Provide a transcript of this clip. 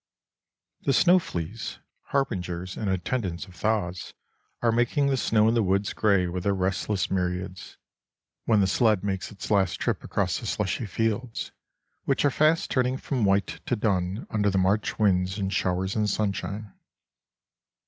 The snow fleas, harbingers and attendants of thaws, are making the snow in the woods gray with their restless myriads, when the sled makes its last trip across the slushy fields, which are fast turning from white to dun under the March winds and showers and sunshine.